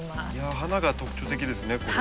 いや花が特徴的ですねこれは。